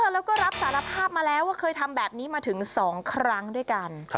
แล้วก็รับสารภาพมาแล้วว่าเคยทำแบบนี้มาถึง๒ครั้งด้วยกัน